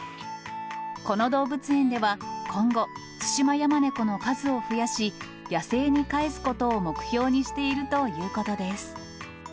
この動物園では今後、ツシマヤマネコの数を増やし、野生に返すことを目標にしているということです。